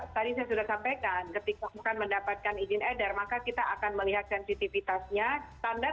tadi saya sudah sampaikan ketika akan mendapatkan izin edar maka kita akan melihat